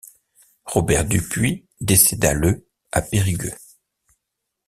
Robert Dupuy décéda le à Périgueux.